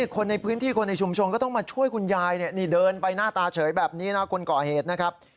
คนในพื้นที่คนในชุมชนก็ต้องมาช่วยคุณยายนี่เดินไปหน้าตาเฉยแบบนี้นะคนก่อเหตุนะครับ